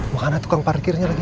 mana tukang parkirnya lagi